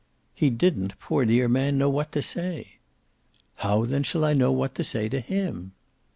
"He didn't, poor dear man, know what to say." "How then shall I know what to say to HIM?"